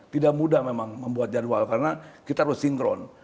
tidak mudah memang membuat jadwal karena kita harus sinkron